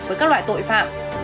với các loại tội phạm